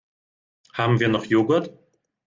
Haben wir noch Joghurt?